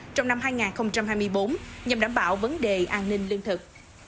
trong năm hai nghìn hai mươi bốn nhằm đảm bảo vấn đề an ninh lương thực